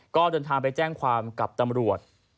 ก็เดินทางไปแจ้งความกับตำรวจ